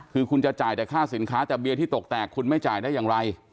คือคุณจะจ่ายแต่ค่าสินค้าแต่เบียร์ที่ตกแตกคุณไม่จ่ายได้อย่างไร